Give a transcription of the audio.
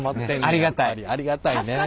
ありがたいね。